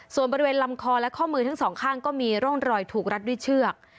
ส่วนบริเวณลำคอและข้อมือทั้งสองข้างก็มีร่องรอยถูกรัดด้วยเชือก